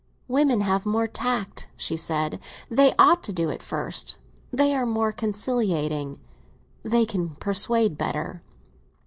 "Women have more tact," she said "they ought to do it first. They are more conciliating; they can persuade better."